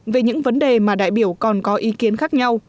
về những vấn đề mà đại biểu còn có ý kiến khác nhau